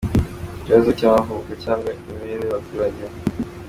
Ikibazo cy’amoko cyangwa cy’imibereho y’abaturage ?